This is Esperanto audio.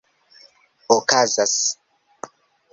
okazas